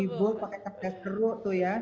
dibolt pakai tanda seru tuh ya